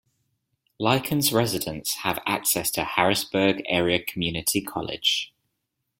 Lykens residents have access to Harrisburg Area Community College.